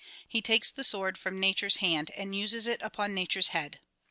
He takes the sword from nature's hand and uses it upon nature's head.